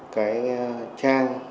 cái trang mà cảnh báo